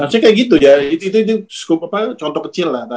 maksudnya kayak gitu ya itu itu itu skup apa contoh kecil lah